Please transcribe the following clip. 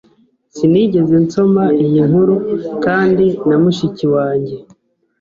Sinigeze nsoma iyi nkuru kandi na mushiki wanjye.